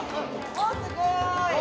おー、すごい。